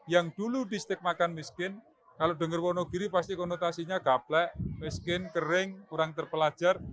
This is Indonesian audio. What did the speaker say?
yang dulu distikmakan miskin kalau dengar onegiri pasti konotasinya gaplak miskin kering kurang terpelajar